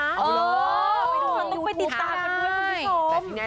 เออต้องไปติดตามกันด้วยคุณผู้ชม